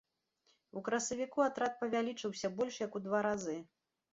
У красавіку атрад павялічыўся больш як у два разы.